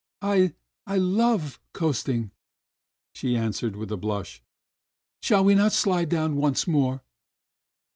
"I — I love coasting!" she answered with a blush. "Shall we not sUde down once more.'